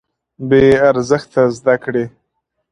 بې ارزښته زده کړې.